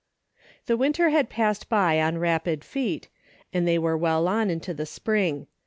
The winter had passed by on rapid feet, and they were well on into the spring.